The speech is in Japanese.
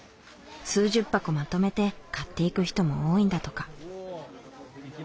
数十箱まとめて買っていく人も多いんだとか。